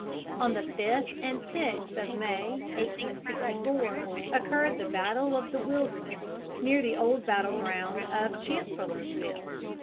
On the 5th and 6th of May, 1864, occurred the battle of the Wilderness, near the old battleground of Chancellorsville.